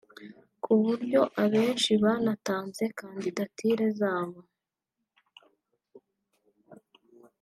ku buryo abenshi banatanze kandidatire zabo